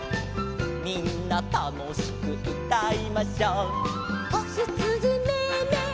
「みんなたのしくうたいましょ」「こひつじメエメエ